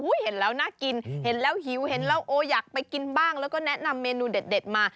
เห็นแล้วน่ากินเห็นแล้วหิวเห็นแล้วโอ้อยากไปกินบ้างแล้วก็แนะนำเมนูเด็ดมา